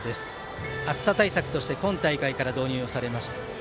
暑さ対策として今大会から導入されました。